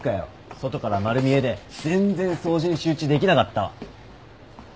外から丸見えで全然掃除に集中できなかったわ。